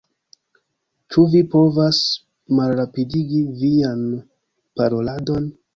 Ĉu vi povas malrapidigi vian paroladon?